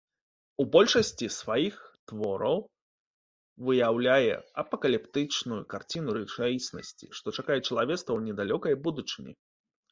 У большасці сваіх твораў выяўляе апакаліптычную карціну рэчаіснасці, што чакае чалавецтва ў недалёкай будучыні.